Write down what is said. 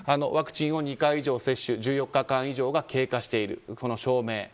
ワクチンを２回以上接種１４日以上が経過している証明。